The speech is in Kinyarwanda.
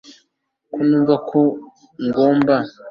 Ko numva ko ngomba